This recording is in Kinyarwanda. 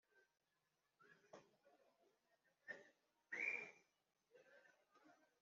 izasuzumwe kandi ingenzurwe.